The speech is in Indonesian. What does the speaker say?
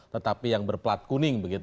tetapi yang berplat kuning begitu ya